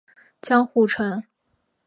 江户城。